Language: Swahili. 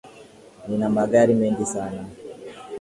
Nina magari mengi sana